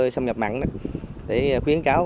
xâm nhập mặn để khuyến cáo